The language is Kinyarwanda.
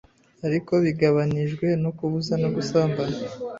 ariko bigabanijwe no kubuza no gusambana